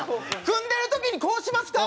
組んでる時にこうしますか？